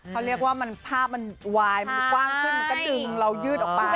เขาเรียกว่าภาพมันวายมันกว้างขึ้นมันก็ดึงเรายืดออกไป